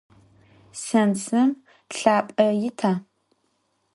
Sêntsem pılhap'e yita?